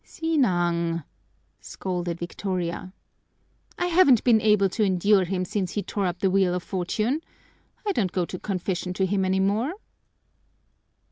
"Sinang!" scolded Victoria. "I haven't been able to endure him since he tore up the Wheel of Fortune. I don't go to confession to him any more."